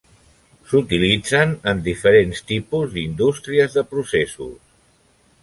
S'utilitzen en diferents tipus d'indústries de processos.